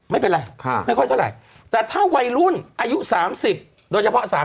ไม่ค่อยเท่าไหร่แต่ถ้าวัยรุ่นอายุ๓๐โดยเฉพาะ๓๐